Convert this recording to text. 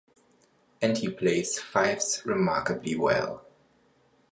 And he plays fives remarkably well!